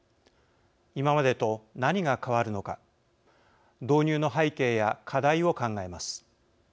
今までと何が変わるのか導入の背景や課題を考えます。